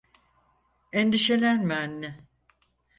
Endişelenme anne.